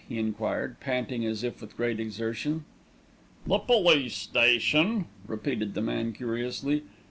he enquired, panting as if with great exertion. "The police station?" repeated the man curiously.